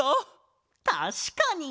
たしかに！